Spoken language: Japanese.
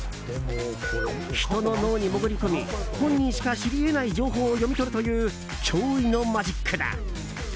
人の脳に潜り込み本人しか知り得ない情報を読み取るという驚異のマジックだ。